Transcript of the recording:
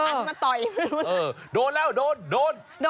อันมาต่อยไม่รู้นะครับโดนแล้วโดนโดน